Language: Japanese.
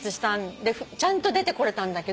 ちゃんと出てこれたんだけど。